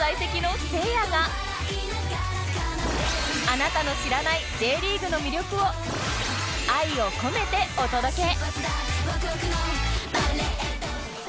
あなたの知らない Ｊ リーグの魅力を愛を込めてお届け！